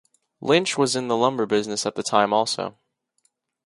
Lynch was in the lumber business at the time also.